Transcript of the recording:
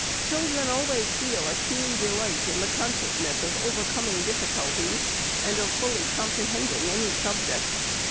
Children always feel a keen delight in the consciousness of overcoming difficulties, and of fully comprehending any subject.